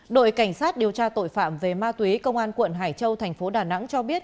đội cảnh sát điều tra tội phạm về ma túy công an quận hải châu thành phố đà nẵng cho biết